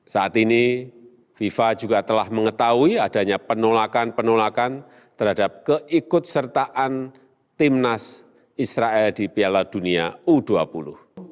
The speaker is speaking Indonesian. saya menjamin keikutsertaan timnas israel di piala dunia u dua puluh